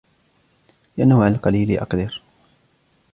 لِأَنَّهُ عَلَى الْقَلِيلِ أَقْدَرُ